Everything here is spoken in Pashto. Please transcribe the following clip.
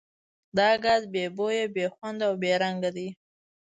دا ګاز بې بویه، بې خونده او بې رنګه دی.